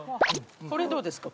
これどうですか？